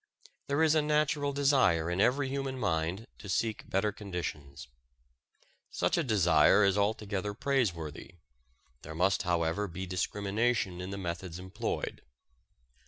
There is a natural desire in every human mind to seek better conditions. Such a desire is altogether praiseworthy. There must, however, be discrimination in the methods employed.